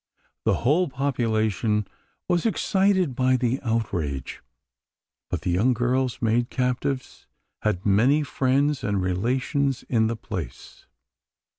The whole population was excited by the outrage; for the young girls made captives had many friends and relations in the place.